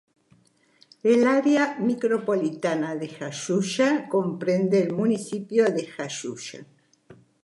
El área micropolitana de Jayuya comprende el municipio de Jayuya.